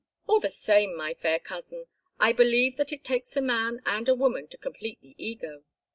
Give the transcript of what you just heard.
All the same, my fair cousin, I believe that it takes a man and a woman to complete the ego.